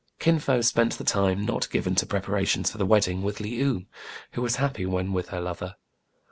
Kin Fo spent the time not given to prepara tions for the wedding with Le ou, who was happy when with her lover.